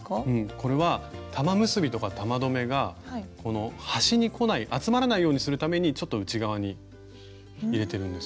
これは玉結びとか玉留めがこの端にこない集まらないようにするためにちょっと内側に入れてるんです。